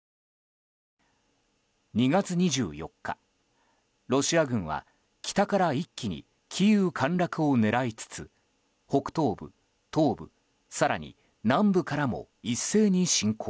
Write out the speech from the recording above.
２月２４日ロシア軍は北から一気にキーウ陥落を狙いつつ北東部、東部更に南部からも一斉に侵攻。